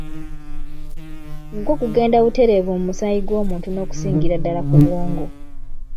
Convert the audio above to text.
Gwo gugenda butereevu mu musaayi gw'omuntu n'okusingira ddala ku bwongo.